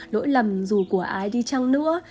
lỗi lầm dù của ai đi chăng nữa